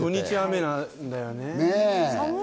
土日、雨なんだよね。